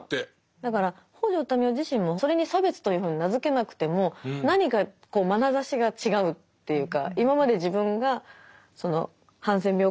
だから北條民雄自身もそれに差別というふうに名付けなくても何か眼差しが違うっていうか